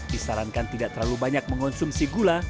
disarankan tidak terlalu banyak mengonsumsi gula